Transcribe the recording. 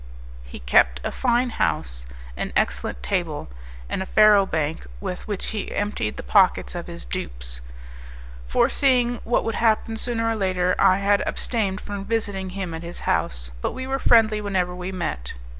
He kept a fine house, an excellent table, and a faro bank with which he emptied the pockets of his dupes. Foreseeing what would happen sooner or later, I had abstained from visiting him at his house, but we were friendly whenever we met.